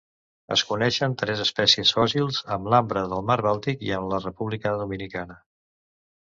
Es coneixen tres espècies fòssils en l'ambre del mar Bàltic i en la República Dominicana.